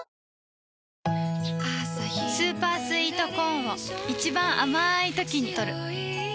スーパースイートコーンを一番あまいときにとる